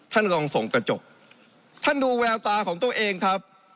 ท่านลองส่งกระจกท่านดูแววตาของตัวเองครับ